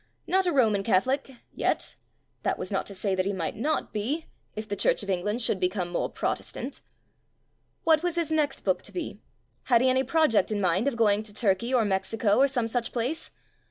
Not a Roman Catholic — ^yet. That was not to say that he might not be — if the Church of England should become more Protestant. What was his next book to be? Had he any project in mind of going to Turkey, or Mexico, or some such place?